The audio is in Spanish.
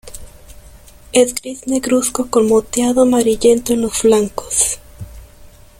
Es gris negruzco con moteado amarillento en los flancos.